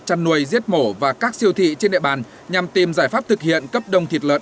chăn nuôi giết mổ và các siêu thị trên địa bàn nhằm tìm giải pháp thực hiện cấp đông thịt lợn